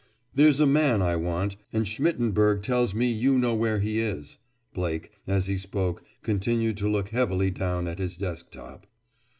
"There's a man I want. And Schmittenberg tells me you know where he is." Blake, as he spoke, continued to look heavily down at his desk top.